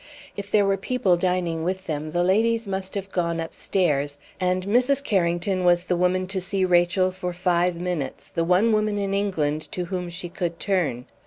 If there were people dining with them, the ladies must have gone upstairs, and Mrs. Carrington was the woman to see Rachel for five minutes, and the one woman in England to whom she could turn.